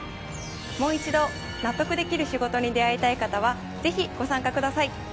もう一度納得できる仕事に出会いたい方はぜひご参加ください。